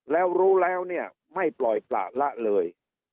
แล้วรู้แล้วไม่ปล่อยปล่าละเลย